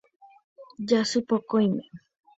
Jasypokõime.